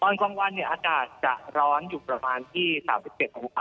ตอนกลางวันเนี่ยอาจารย์จะร้อนอยู่ประมาณที่๓๗๖เซลเซียสนะครับ